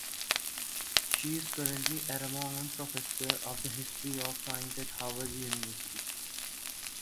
She is currently Aramont Professor of the History of Science at Harvard University.